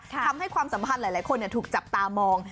ความสัมพันธ์หลายคนถูกจับตามอง